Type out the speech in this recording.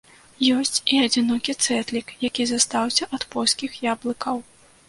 Ёсць і адзінокі цэтлік, які застаўся ад польскіх яблыкаў.